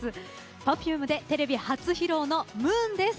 Ｐｅｒｆｕｍｅでテレビ初披露の「Ｍｏｏｎ」です。